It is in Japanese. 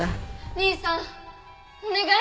兄さんお願い！